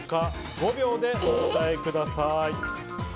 ５秒でお答えください。